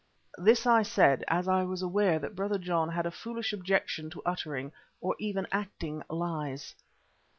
This I said as I was aware that Brother John had a foolish objection to uttering, or even acting lies.